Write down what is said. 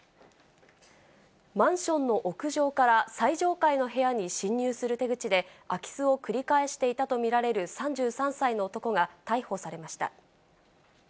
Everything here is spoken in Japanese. マンションの屋上から最上階の部屋に侵入する手口で、空き巣を繰り返していたと見られる３３歳の男が逮捕されました。